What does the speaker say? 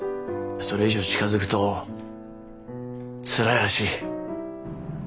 それ以上近づくとつらいらしい。